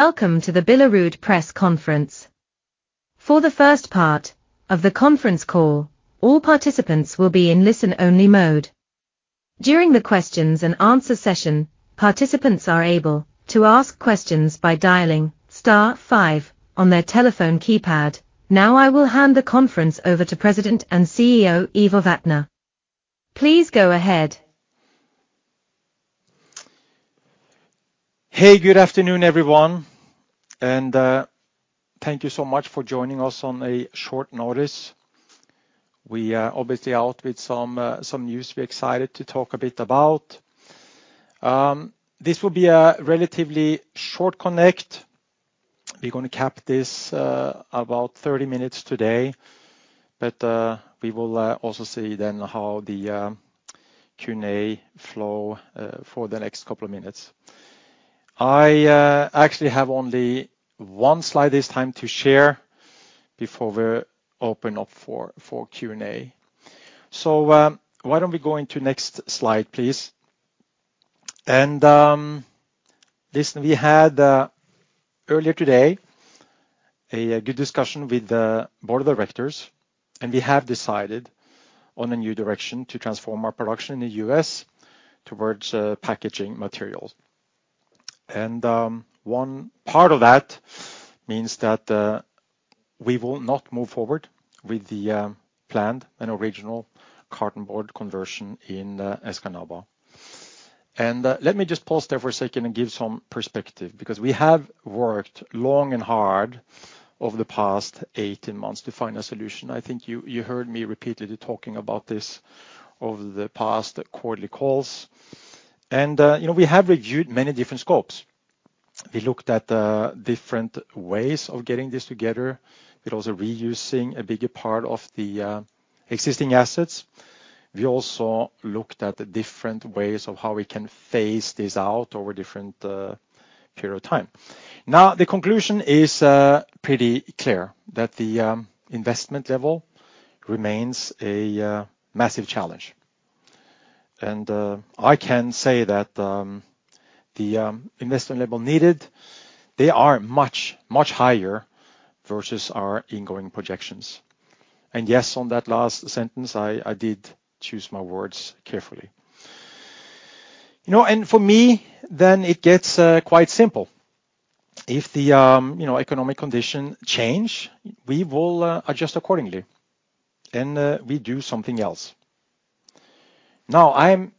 Welcome to the Billerud Press Conference. For the first part of the conference call, all participants will be in listen-only mode. During the questions and answer session, participants are able to ask questions by dialing star five on their telephone keypad. Now, I will hand the conference over to President and CEO, Ivar Vatne. Please go ahead. Hey, good afternoon, everyone, and, thank you so much for joining us on a short notice. We are obviously out with some, some news we're excited to talk a bit about. This will be a relatively short connect. We're gonna cap this, about 30 minutes today, but, we will, also see then how the, Q&A flow, for the next couple of minutes. I, actually have only one slide this time to share before we open up for, for Q&A. So, why don't we go into next slide, please? Listen, we had, earlier today, a, good discussion with the Board of Directors, and we have decided on a new direction to transform our production in the U.S. towards, packaging materials. And, one part of that means that, we will not move forward with the, planned and original cartonboard conversion in Escanaba. Let me just pause there for a second and give some perspective, because we have worked long and hard over the past 18 months to find a solution. I think you heard me repeatedly talking about this over the past quarterly calls, and, you know, we have reviewed many different scopes. We looked at different ways of getting this together. We're also reusing a bigger part of the existing assets. We also looked at the different ways of how we can phase this out over different period of time. Now, the conclusion is pretty clear, that the investment level remains a massive challenge. And, I can say that, the investment level needed, they are much, much higher versus our ongoing projections. And yes, on that last sentence, I, I did choose my words carefully. You know, and for me, then it gets, quite simple. If the, you know, economic conditions change, we will, adjust accordingly, and, we do something else. Now, I'm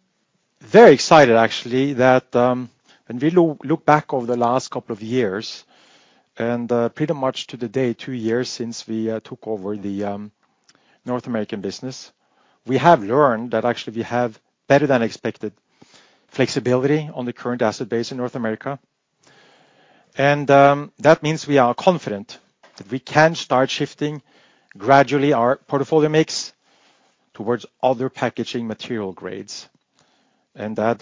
very excited actually, that, when we look back over the last couple of years and, pretty much to the day, two years since we, took over the, North American business, we have learned that actually we have better-than-expected flexibility on the current asset base in North America. And, that means we are confident that we can start shifting gradually our portfolio mix towards other packaging material grades, and that,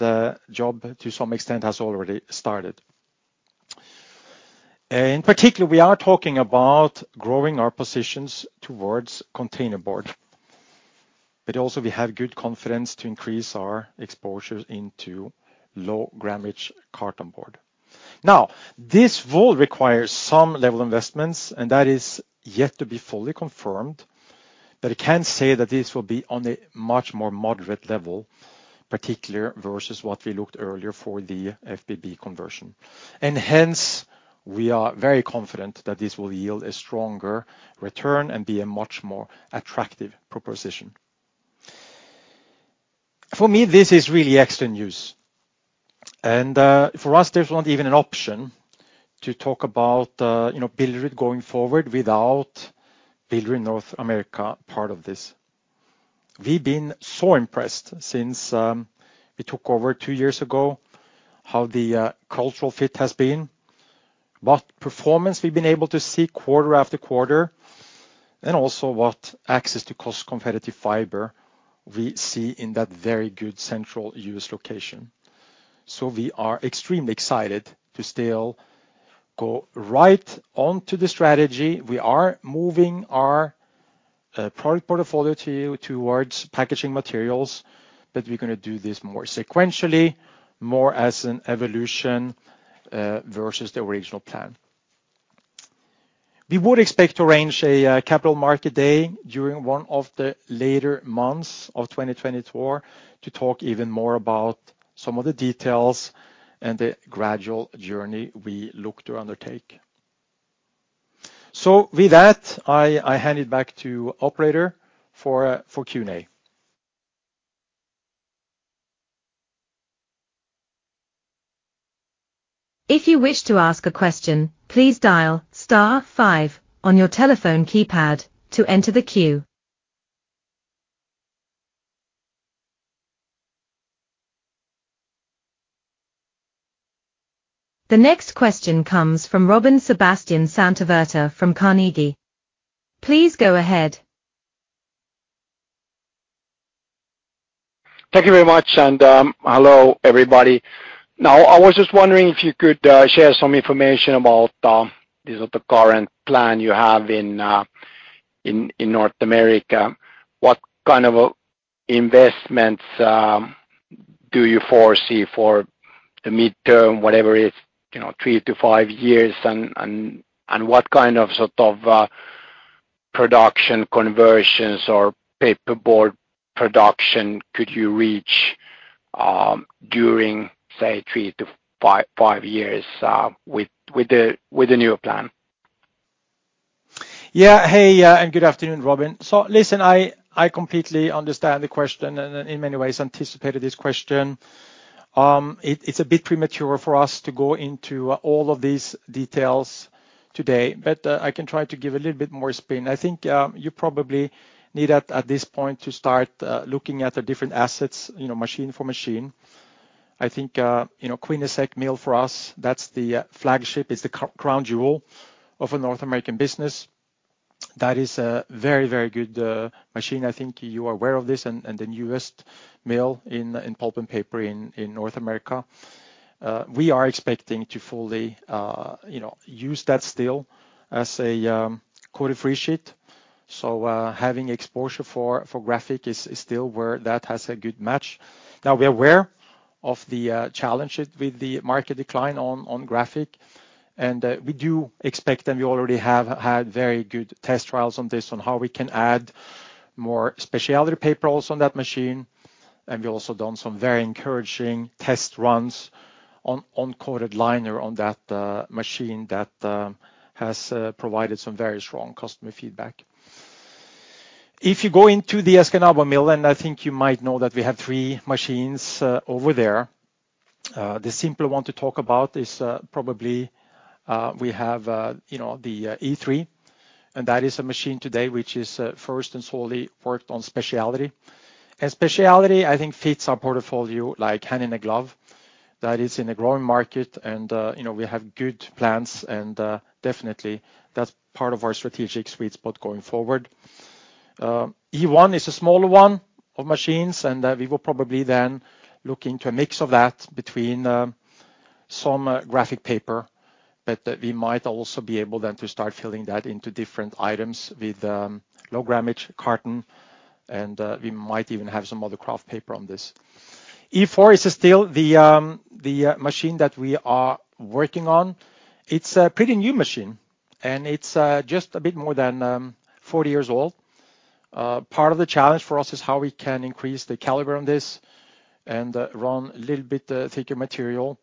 job, to some extent, has already started. In particular, we are talking about growing our positions towards containerboard, but also we have good confidence to increase our exposure into low-grammage cartonboard. Now, this will require some level investments, and that is yet to be fully confirmed, but I can say that this will be on a much more moderate level, particularly versus what we looked earlier for the FBB conversion. And hence, we are very confident that this will yield a stronger return and be a much more attractive proposition. For me, this is really excellent news, and, for us, there's not even an option to talk about, you know, Billerud going forward without Billerud North America part of this. We've been so impressed since we took over two years ago, how the cultural fit has been, what performance we've been able to see quarter after quarter, and also what access to cost-competitive fiber we see in that very good central U.S. location. So we are extremely excited to still go right on to the strategy. We are moving our product portfolio towards packaging materials, but we're gonna do this more sequentially, more as an evolution versus the original plan. We would expect to arrange a Capital Markets Day during one of the later months of 2024 to talk even more about some of the details and the gradual journey we look to undertake. So with that, I hand it back to operator for Q&A. If you wish to ask a question, please dial star five on your telephone keypad to enter the queue. The next question comes from Robin Santavirta from Carnegie. Please go ahead. Thank you very much, and hello, everybody. Now, I was just wondering if you could share some information about the sort of current plan you have in North America. What kind of investments do you foresee for the midterm, whatever is, you know, three to five years? And what kind of sort of production conversions or paperboard production could you reach during, say, three to five years, with the new plan? Yeah. Hey, and good afternoon, Robin. So listen, I completely understand the question, and in many ways anticipated this question. It's a bit premature for us to go into all of these details today, but I can try to give a little bit more spin. I think you probably need at this point to start looking at the different assets, you know, machine for machine. I think, you know, Quinnesec Mill, for us, that's the flagship, it's the crown jewel of the North American business. That is a very, very good machine. I think you are aware of this, and the newest mill in pulp and paper in North America. We are expecting to fully, you know, use that still as a coated free sheet. So, having exposure for graphic is still where that has a good match. Now, we're aware of the challenges with the market decline on graphic, and we do expect, and we already have had very good test trials on this, on how we can add more specialty paper also on that machine. And we've also done some very encouraging test runs on coated liner on that machine that has provided some very strong customer feedback. If you go into the Escanaba Mill, and I think you might know that we have three machines over there. The simpler one to talk about is probably, you know, the E3, and that is a machine today which is first and solely worked on specialty. Specialty, I think, fits our portfolio like hand in a glove. That is in a growing market, and you know, we have good plans and definitely that's part of our strategic sweet spot going forward. E1 is a smaller one of machines, and we will probably then look into a mix of that between some graphic paper, but we might also be able then to start filling that into different items with low-grammage carton, and we might even have some other kraft paper on this. E4 is still the machine that we are working on. It's a pretty new machine, and it's just a bit more than 4 years old. Part of the challenge for us is how we can increase the caliper on this and run a little bit thicker material.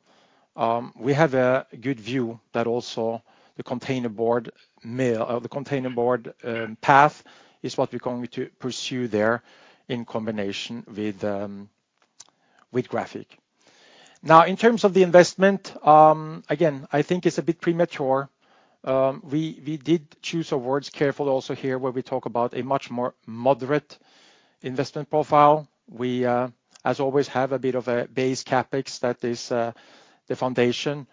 We have a good view that also the containerboard mill, the containerboard path is what we're going to pursue there in combination with graphic. Now, in terms of the investment, again, I think it's a bit premature. We did choose our words carefully also here, where we talk about a much more moderate investment profile. We, as always, have a bit of a base CapEx that is the foundation,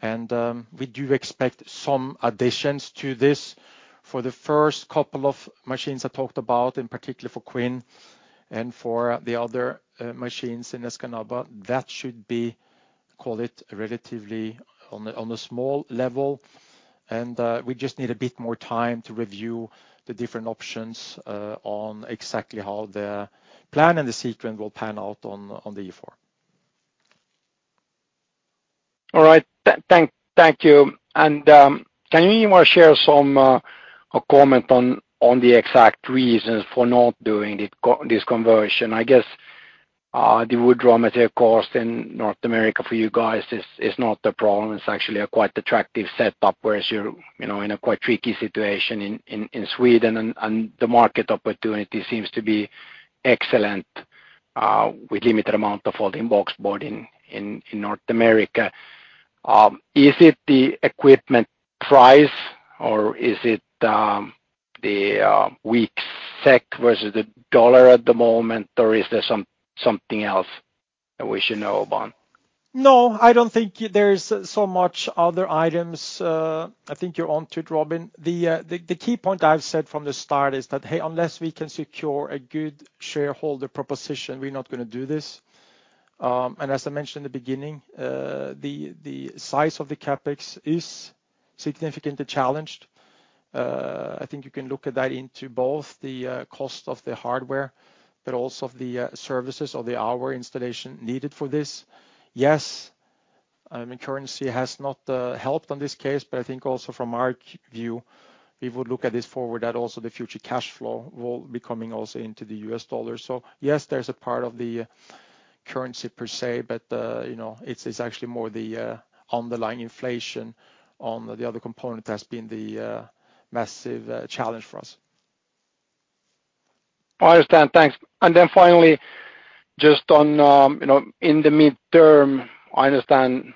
and we do expect some additions to this. For the first couple of machines I talked about, in particular for Quinnesec and for the other machines in Escanaba, that should be, call it, relatively on a small level. We just need a bit more time to review the different options on exactly how the plan and the sequence will pan out on the E4. All right. Thank you. And, can you more share some, or comment on, on the exact reasons for not doing this this conversion? I guess, the wood raw material cost in North America for you guys is, is not the problem. It's actually a quite attractive setup, whereas you're, you know, in a quite tricky situation in, in, in Sweden, and, and the market opportunity seems to be excellent, with limited amount of folding boxboard in, in, in North America. Is it the equipment price, or is it, the, weak SEK versus the dollar at the moment, or is there something else that we should know about? No, I don't think there's so much other items. I think you're onto it, Robin. The key point I've said from the start is that, hey, unless we can secure a good shareholder proposition, we're not gonna do this. And as I mentioned in the beginning, the size of the CapEx is significantly challenged. I think you can look at that into both the cost of the hardware, but also of the services or the hour installation needed for this. Yes, I mean, currency has not helped on this case, but I think also from our view, we would look at this forward, that also the future cashflow will be coming also into the US dollar. So yes, there's a part of the currency per se, but, you know, it's, it's actually more the underlying inflation on the other component that's been the massive challenge for us. I understand. Thanks. And then finally, just on, you know, in the midterm, I understand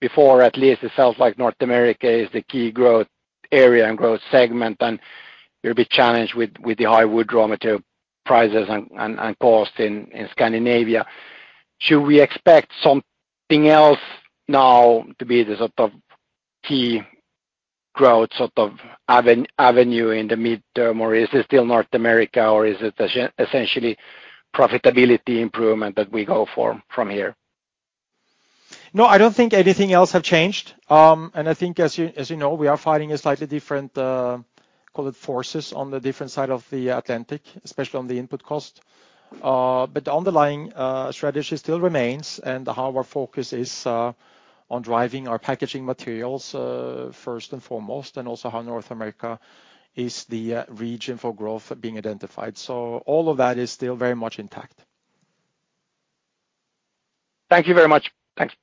before, at least, it sounds like North America is the key growth area and growth segment, and you're a bit challenged with the high wood raw material prices and cost in Scandinavia. Should we expect something else now to be the sort of key growth, sort of avenue in the midterm, or is it still North America, or is it essentially profitability improvement that we go for from here? No, I don't think anything else have changed. And I think as you, as you know, we are fighting a slightly different, call it, forces on the different side of the Atlantic, especially on the input cost. But the underlying, strategy still remains, and how our focus is, on driving our packaging materials, first and foremost, and also how North America is the, region for growth being identified. So all of that is still very much intact. Thank you very much. Thanks.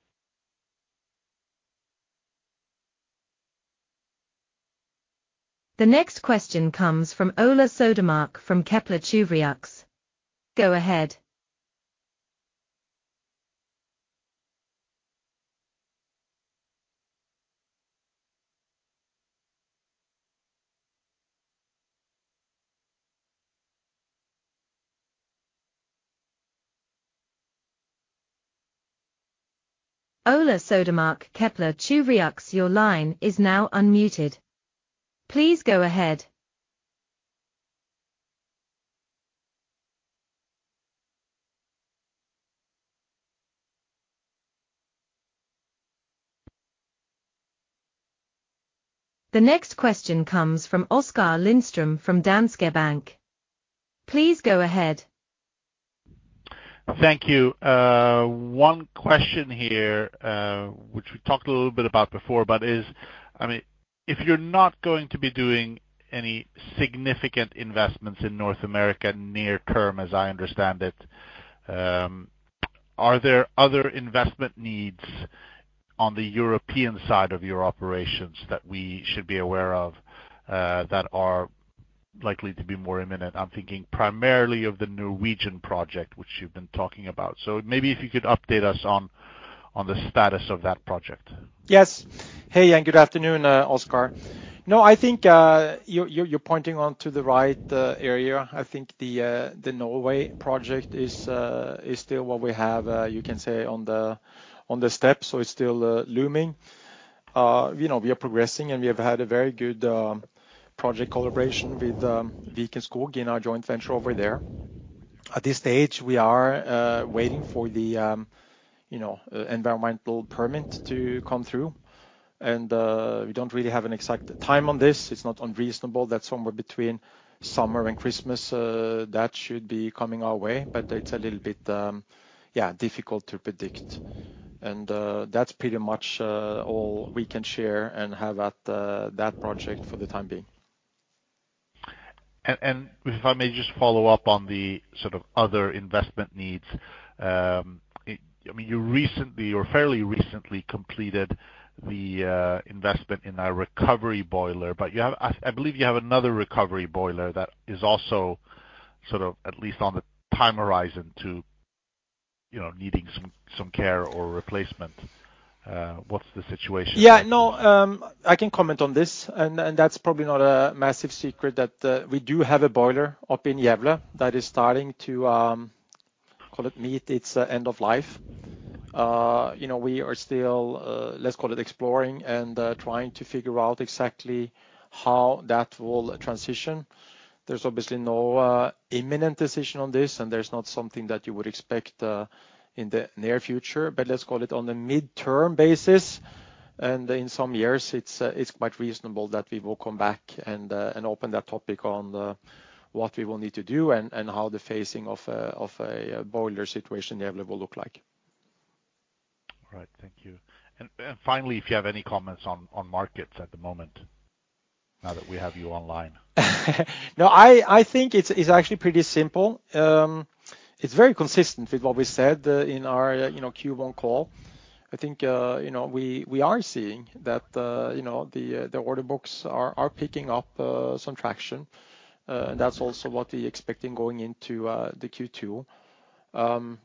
The next question comes from Ola Södermark from Kepler Cheuvreux. Go ahead. Ola Södermark, Kepler Cheuvreux, your line is now unmuted. Please go ahead. The next question comes from Oskar Lindström from Danske Bank. Please go ahead. Thank you. One question here, which we talked a little bit about before, but I mean, if you're not going to be doing any significant investments in North America near term, as I understand it, are there other investment needs on the European side of your operations that we should be aware of, that are likely to be more imminent? I'm thinking primarily of the Norwegian project, which you've been talking about. So maybe if you could update us on the status of that project. Yes. Hey, and good afternoon, Oskar. No, I think you're pointing on to the right area. I think the Norway project is still what we have, you can say, on the steps, so it's still looming. You know, we are progressing, and we have had a very good project collaboration with Viken Skog in our joint venture over there. At this stage, we are waiting for the environmental permit to come through, and we don't really have an exact time on this. It's not unreasonable that somewhere between summer and Christmas that should be coming our way, but it's a little bit, yeah, difficult to predict. And that's pretty much all we can share and have at that project for the time being. If I may just follow up on the sort of other investment needs. I mean, you recently or fairly recently completed the investment in a recovery boiler, but you have, I believe, another recovery boiler that is also sort of at least on the time horizon to, you know, needing some care or replacement. What's the situation? Yeah. No, I can comment on this, and, and that's probably not a massive secret, that we do have a boiler up in Gävle that is starting to, call it, meet its end of life. You know, we are still, let's call it, exploring and trying to figure out exactly how that will transition. There's obviously no imminent decision on this, and there's not something that you would expect in the near future, but let's call it on a midterm basis. And in some years, it's quite reasonable that we will come back and, and open that topic on what we will need to do and, and how the phasing of a, of a boiler situation available look like. All right. Thank you. And finally, if you have any comments on markets at the moment, now that we have you online? No, I think it's actually pretty simple. It's very consistent with what we said, you know, in our Q1 call. I think, you know, we are seeing that, you know, the order books are picking up some traction. And that's also what we expecting going into the Q2.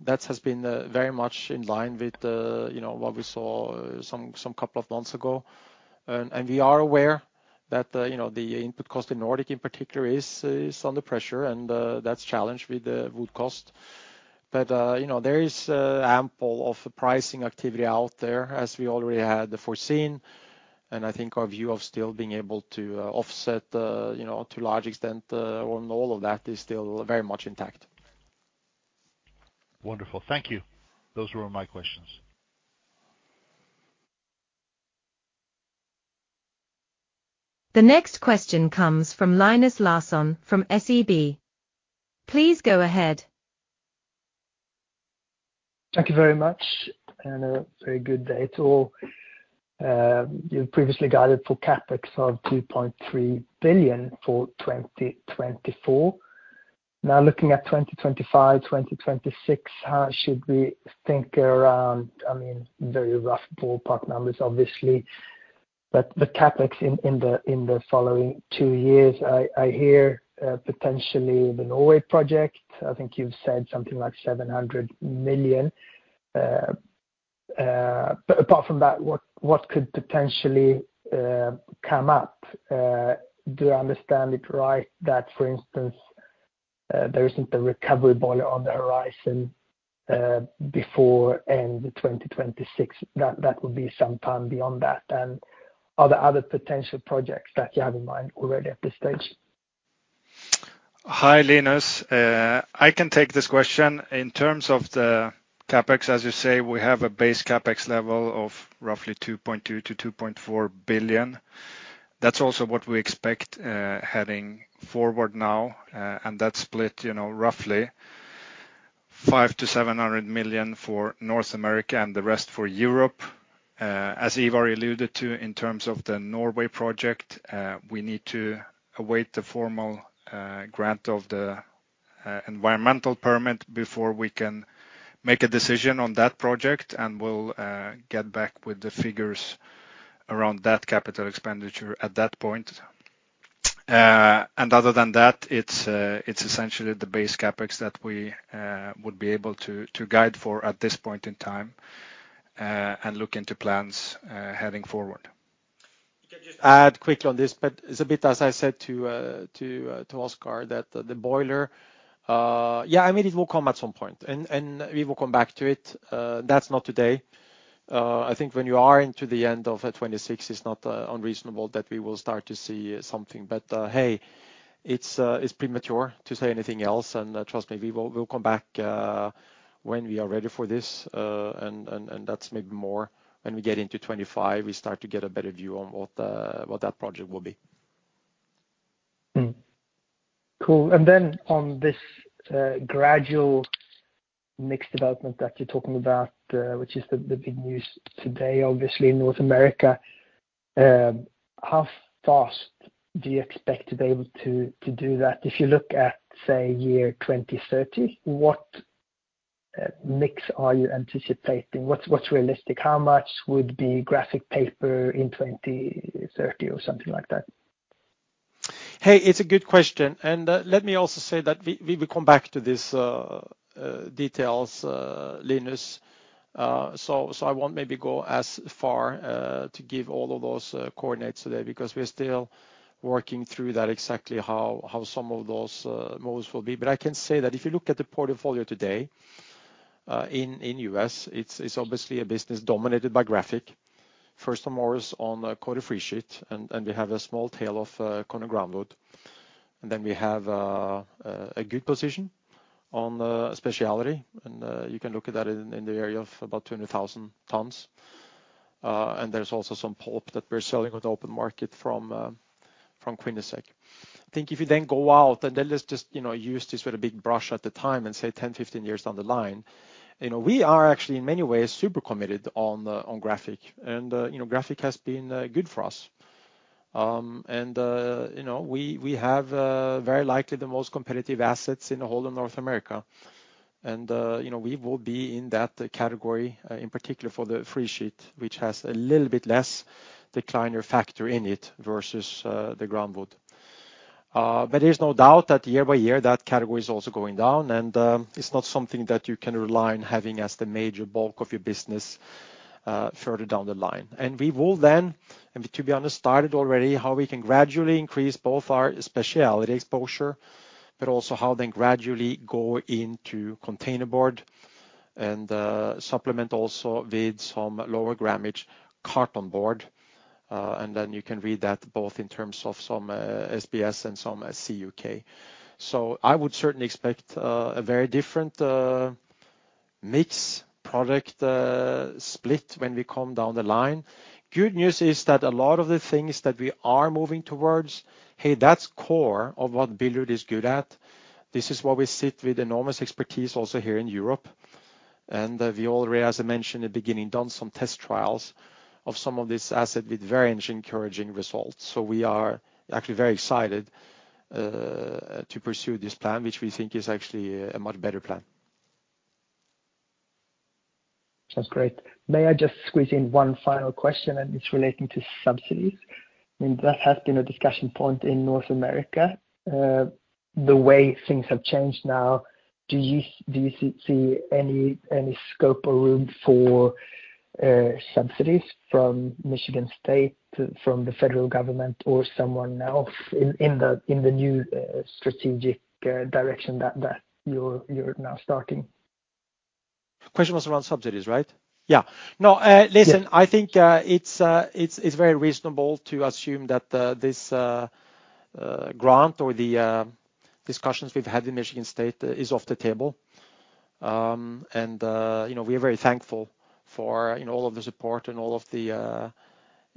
That has been very much in line with, you know, what we saw some couple of months ago. And we are aware that, you know, the input cost in Nordic in particular is under pressure, and that's challenged with the wood cost. But, you know, there is ample of pricing activity out there, as we already had foreseen. I think our view of still being able to offset, you know, to a large extent, on all of that is still very much intact. Wonderful. Thank you. Those were all my questions. The next question comes from Linus Larsson from SEB. Please go ahead. Thank you very much, and a very good day to all. You've previously guided for CapEx of 2.3 billion for 2024. Now, looking at 2025, 2026, how should we think around, I mean, very rough ballpark numbers, obviously, but the CapEx in the following two years, I hear potentially the Norway project. I think you've said something like 700 million. But apart from that, what could potentially come up? Do I understand it right that, for instance, there isn't a recovery boiler on the horizon before end of 2026, that would be sometime beyond that? And are there other potential projects that you have in mind already at this stage? Hi, Linus. I can take this question. In terms of the CapEx, as you say, we have a base CapEx level of roughly 2.2 billion to 2.4 billion. That's also what we expect, heading forward now. And that's split, you know, roughly 500 million to 700 million for North America and the rest for Europe. As Ivar alluded to, in terms of the Norway project, we need to await the formal grant of the environmental permit before we can make a decision on that project, and we'll get back with the figures around that capital expenditure at that point. And other than that, it's essentially the base CapEx that we would be able to guide for at this point in time, and look into plans, heading forward. If I can just add quickly on this, but it's a bit, as I said to Oskar, that the boiler... Yeah, I mean, it will come at some point, and we will come back to it. That's not today. I think when you are into the end of 2026, it's not unreasonable that we will start to see something. But hey, it's premature to say anything else, and trust me, we will—we'll come back when we are ready for this. And that's maybe more when we get into 2025, we start to get a better view on what that project will be. Cool. Then on this gradual mix development that you're talking about, which is the big news today, obviously, in North America, how fast do you expect to be able to do that? If you look at, say, year 2030, what mix are you anticipating? What's realistic? How much would be graphic paper in 2030 or something like that? Hey, it's a good question, and let me also say that we will come back to these details, Linus. So, I won't maybe go as far to give all of those coordinates today, because we're still working through that, exactly how some of those moves will be. But I can say that if you look at the portfolio today, in the U.S., it's obviously a business dominated by graphic, first and foremost on coated free sheet, and we have a small tail of kind of groundwood. And then we have a good position on specialty, and you can look at that in the area of about 200,000 tons. And there's also some pulp that we're selling on the open market from Quinnesec. I think if you then go out, and then let's just, you know, use this with a big brush at the time and say 10, 15 years down the line, you know, we are actually in many ways super committed on the, on graphic. And, you know, graphic has been, good for us. And, you know, we, we have, very likely the most competitive assets in the whole of North America. And, you know, we will be in that category, in particular for the free sheet, which has a little bit less decliner factor in it versus, the groundwood. But there's no doubt that year by year, that category is also going down, and, it's not something that you can rely on having as the major bulk of your business, further down the line. And we will then, and to be honest, started already, how we can gradually increase both our specialty exposure, but also how they gradually go into containerboard and, supplement also with some lower grammage cartonboard. And then you can read that both in terms of some SBS and some CUK. So I would certainly expect a very different mix product split when we come down the line. Good news is that a lot of the things that we are moving towards, hey, that's core of what Billerud is good at. This is why we sit with enormous expertise also here in Europe. And we already, as I mentioned in the beginning, done some test trials of some of this asset with very encouraging results. So we are actually very excited to pursue this plan, which we think is actually a much better plan. Sounds great. May I just squeeze in one final question, and it's relating to subsidies? I mean, that has been a discussion point in North America. The way things have changed now, do you see any scope or room for subsidies from Michigan State, from the federal government or someone else in the new strategic direction that you're now starting? The question was around subsidies, right? Yeah. No, listen— Yeah. I think, it's very reasonable to assume that this grant or the discussions we've had in Michigan State is off the table. And, you know, we are very thankful for, you know, all of the support and all of the,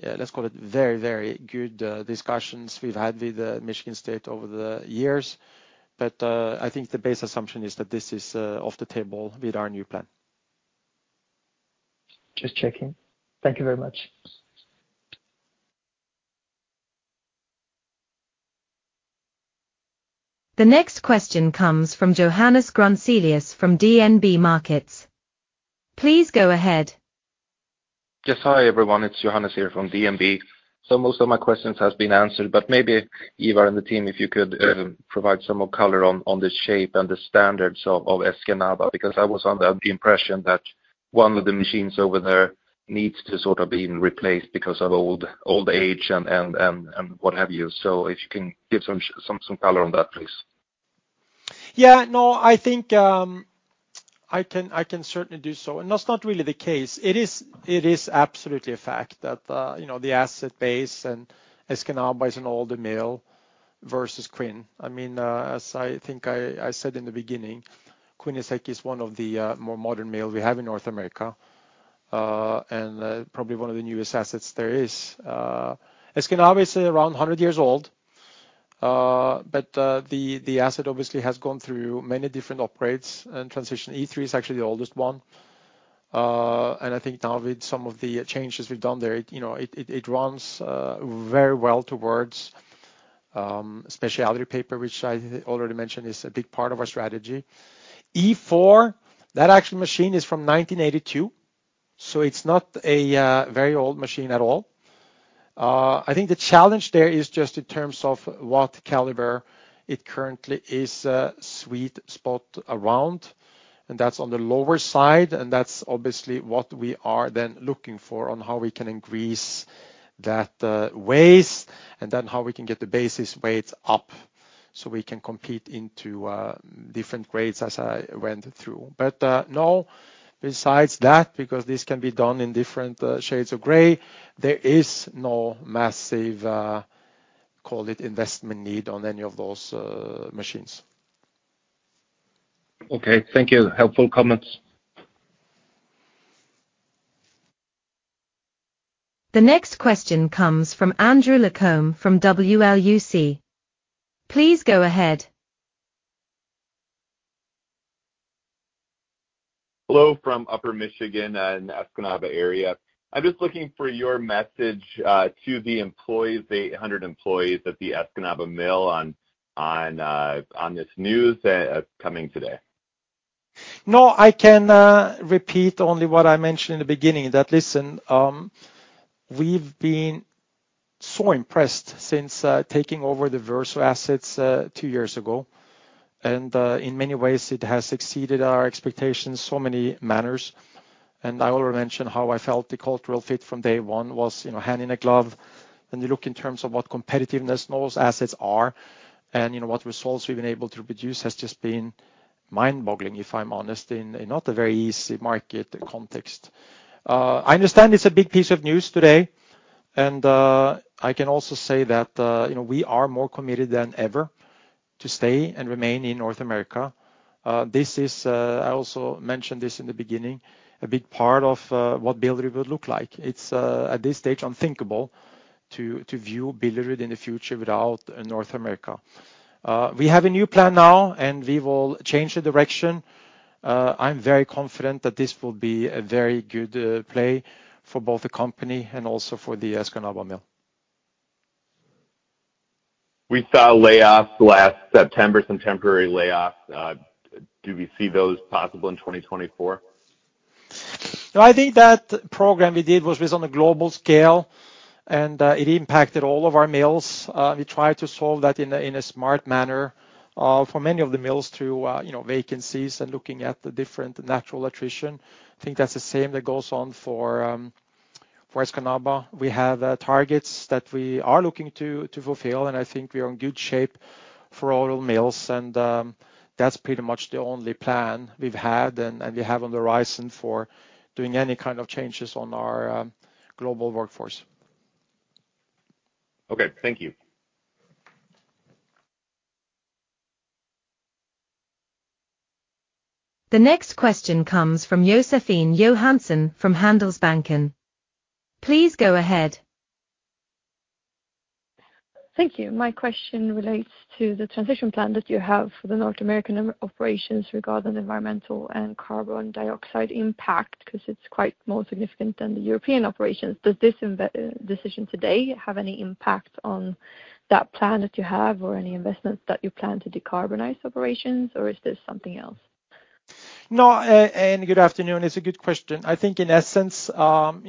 let's call it very, very good discussions we've had with the Michigan State over the years. But, I think the base assumption is that this is off the table with our new plan. Just checking. Thank you very much. The next question comes from Johannes Grunselius from DNB Markets. Please go ahead. Yes, hi, everyone. It's Johannes here from DNB. So most of my questions has been answered, but maybe Ivar and the team, if you could provide some more color on the shape and the standards of Escanaba, because I was under the impression that one of the machines over there needs to sort of be replaced because of old age and what have you. So if you can give some color on that, please. Yeah. No, I think I can certainly do so. And that's not really the case. It is absolutely a fact that, you know, the asset base and Escanaba is an older mill versus Quinnesec. I mean, as I think I said in the beginning, Quinnesec is like one of the more modern mill we have in North America, and probably one of the newest assets there is. Escanaba is around 100 years old, but the asset obviously has gone through many different operators and transitions. E3 is actually the oldest one. And I think now with some of the changes we've done there, it, you know, it runs very well towards specialty paper, which I already mentioned is a big part of our strategy. E4, that actual machine is from 1982, so it's not a very old machine at all. I think the challenge there is just in terms of what caliper it currently is, sweet spot around, and that's on the lower side, and that's obviously what we are then looking for on how we can increase that weight, and then how we can get the basis weight up, so we can compete into different grades, as I went through. But no, besides that, because this can be done in different shades of gray, there is no massive call it investment need on any of those machines. Okay, thank you. Helpful comments. The next question comes from Andrew LaCombe from WLUC. Please go ahead. Hello, from Upper Michigan, in Escanaba area. I'm just looking for your message to the employees, the 800 employees at the Escanaba mill on this news coming today. No, I can repeat only what I mentioned in the beginning, that, listen, we've been so impressed since taking over the Verso assets two years ago, and in many ways it has exceeded our expectations in so many manners. I already mentioned how I felt the cultural fit from day one was, you know, hand in glove. When you look in terms of what competitiveness those assets are and, you know, what results we've been able to produce has just been mind-boggling, if I'm honest, in a not a very easy market context. I understand it's a big piece of news today, and I can also say that, you know, we are more committed than ever to stay and remain in North America. This is, I also mentioned this in the beginning, a big part of what Billerud look like. It's at this stage unthinkable to view Billerud in the future without North America. We have a new plan now, and we will change the direction. I'm very confident that this will be a very good play for both the company and also for the Escanaba Mill. We saw layoffs last September, some temporary layoffs. Do we see those possible in 2024? No, I think that program we did was based on a global scale, and it impacted all of our mills. We tried to solve that in a smart manner for many of the mills through you know, vacancies and looking at the different natural attrition. I think that's the same that goes on for Escanaba. We have targets that we are looking to fulfill, and I think we are in good shape for all mills, and that's pretty much the only plan we've had and we have on the horizon for doing any kind of changes on our global workforce. Okay, thank you. The next question comes from Josefin Johansson from Handelsbanken. Please go ahead. Thank you. My question relates to the transition plan that you have for the North American operations regarding environmental and carbon dioxide impact, 'cause it's quite more significant than the European operations. Does this decision today have any impact on that plan that you have, or any investments that you plan to decarbonize operations, or is this something else? No, good afternoon. It's a good question. I think in essence, you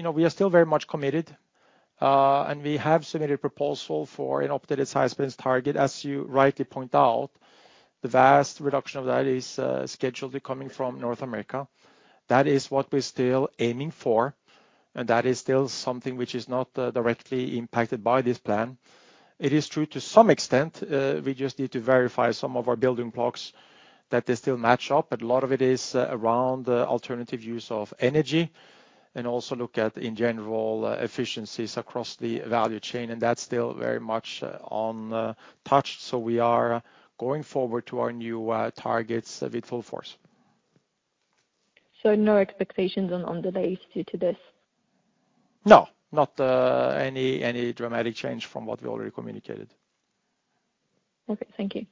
know, we are still very much committed, and we have submitted a proposal for an updated science-based target. As you rightly point out, the vast reduction of that is scheduled coming from North America. That is what we're still aiming for, and that is still something which is not directly impacted by this plan. It is true to some extent, we just need to verify some of our building blocks that they still match up, but a lot of it is around the alternative use of energy, and also look at, in general, efficiencies across the value chain, and that's still very much on track. So we are going forward to our new targets with full force. No expectations on delays due to this? No, not any dramatic change from what we already communicated. Okay, thank you.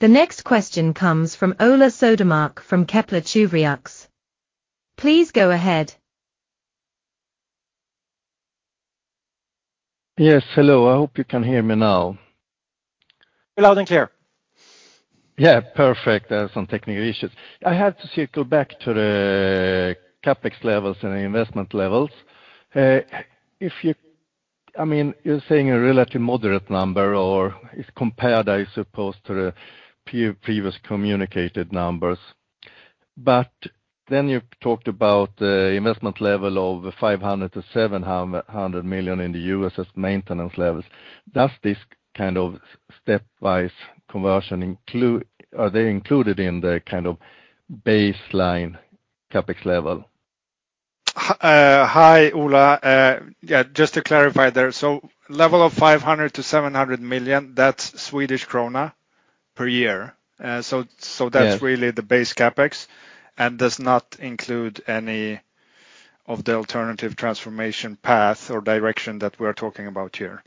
The next question comes from Ola Södermark from Kepler Cheuvreux. Please go ahead. Yes, hello, I hope you can hear me now. Loud and clear. Yeah, perfect. I had some technical issues. I had to circle back to the CapEx levels and the investment levels. If you—I mean, you're saying a relatively moderate number, or it's compared, I suppose, to the previous communicated numbers. But then you talked about investment level of $500 million to $700 million in the US as maintenance levels. Does this kind of stepwise conversion include—are they included in the kind of baseline CapEx level? Hi, Ola. Yeah, just to clarify there, so level of 500 million to 700 million, that's Swedish krona per year. So, so that's— Yeah. Really the base CapEx, and does not include any of the alternative transformation path or direction that we're talking about here.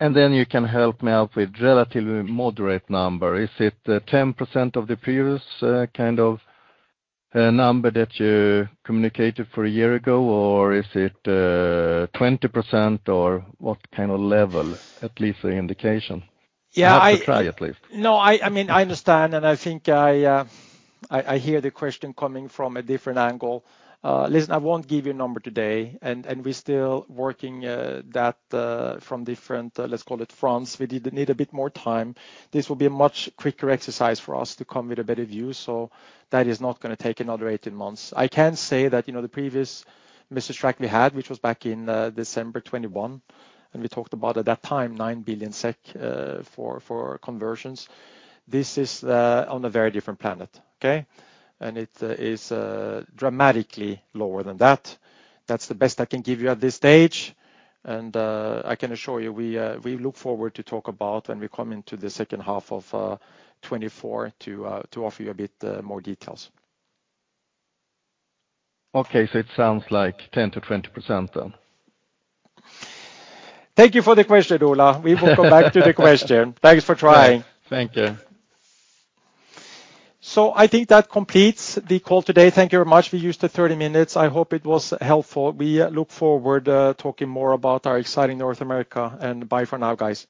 Then you can help me out with relatively moderate number. Is it 10% of the previous kind of number that you communicated for a year ago? Or is it 20%, or what kind of level, at least an indication? Yeah, I— You have to try, at least. No, I mean, I understand, and I think I hear the question coming from a different angle. Listen, I won't give you a number today, and we're still working that from different, let's call it fronts. We need a bit more time. This will be a much quicker exercise for us to come with a better view, so that is not gonna take another 18 months. I can say that, you know, the previous mistrack we had, which was back in December 2021, and we talked about at that time, 9 billion SEK for conversions. This is on a very different planet, okay? And it is dramatically lower than that. That's the best I can give you at this stage, and I can assure you, we look forward to talk about when we come into the second half of 2024 to offer you a bit more details. Okay, so it sounds like 10% to 20%, then. Thank you for the question, Ola. We will come back to the question. Thanks for trying. Thank you. I think that completes the call today. Thank you very much. We used the 30 minutes. I hope it was helpful. We look forward talking more about our exciting North America, and bye for now, guys.